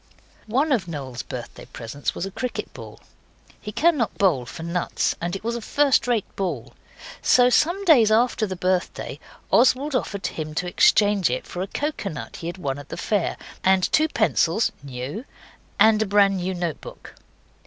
One of Noel's birthday presents was a cricket ball. He cannot bowl for nuts, and it was a first rate ball. So some days after the birthday Oswald offered him to exchange it for a coconut he had won at the fair, and two pencils (new), and a brand new note book.